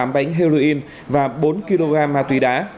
tám bánh heroin và bốn kg ma túy đá